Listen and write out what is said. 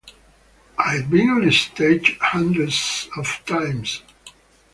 I've been on stage hundreds of times.